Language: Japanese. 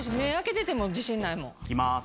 いきます。